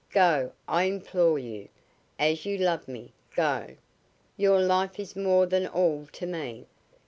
Go, I implore you; as you love me, go. Your life is more than all to me.